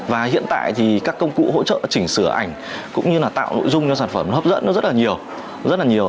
và hiện tại thì các công cụ hỗ trợ chỉnh sửa ảnh cũng như là tạo nội dung cho sản phẩm nó hấp dẫn rất là nhiều